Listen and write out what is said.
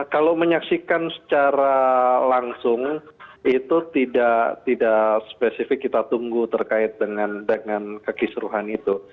kalau menyaksikan secara langsung itu tidak spesifik kita tunggu terkait dengan kekisruhan itu